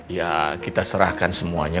ya kita serahkan semuanya